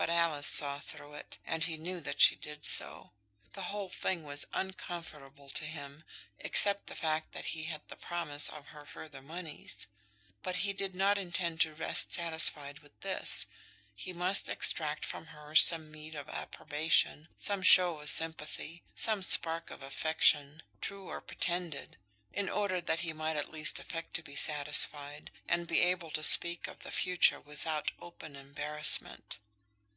But Alice saw through it, and he knew that she did so. The whole thing was uncomfortable to him, except the fact that he had the promise of her further moneys. But he did not intend to rest satisfied with this. He must extract from her some meed of approbation, some show of sympathy, some spark of affection, true or pretended, in order that he might at least affect to be satisfied, and be enabled to speak of the future without open embarrassment.